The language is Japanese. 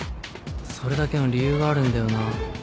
それだけの理由があるんだよな。